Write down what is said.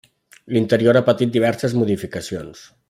L'interior ha patit diverses modificacions.